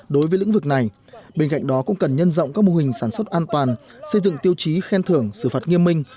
dọn các mô hình sản xuất an toàn xây dựng tiêu chí khen thưởng xử phạt nghiêm minh